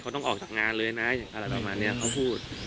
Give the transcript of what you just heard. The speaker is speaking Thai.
เขาต้องออกจากงานเลยนะอะไรประมาณนี้เขาพูด